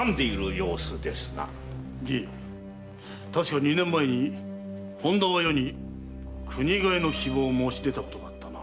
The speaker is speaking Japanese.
じい確か二年前に本多が余に国替の希望を申し出たことがあったな。